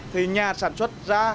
thì nhà sản xuất ra